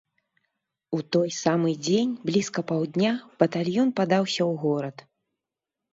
У той самы дзень блізка паўдня батальён падаўся ў горад.